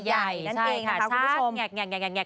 นั่นเองนะคะคุณผู้ชมค่ะใช่ค่ะชาติแหงก